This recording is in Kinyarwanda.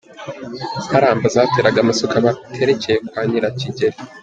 Imparamba : Zateraga amasuka baterekereye kwa Nyirakigeli.